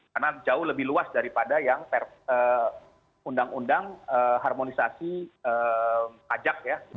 karena jauh lebih luas daripada yang per undang undang harmonisasi pajak ya